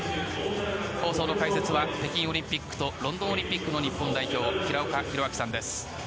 放送の解説は北京オリンピックとロンドンオリンピックの代表平岡拓晃さんです。